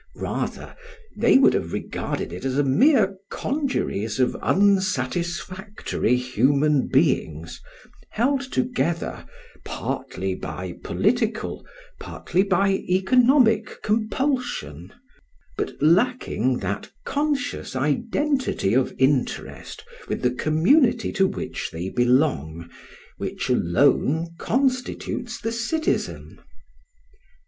Rather they would have regarded it as a mere congeries of unsatisfactory human beings, held together, partly by political, partly by economic compulsion, but lacking that conscious identity of interest with the community to which they belong which alone constitutes the citizen.